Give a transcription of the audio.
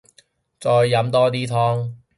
再飲多啲湯